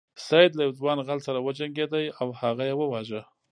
سید له یو ځوان غل سره وجنګیده او هغه یې وواژه.